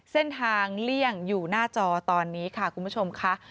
เส้นทางเลี่ยงอยู่หน้าจอตอนนี้ค่ะคุณผู้ชมค่ะ